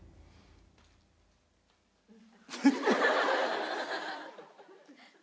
フフ！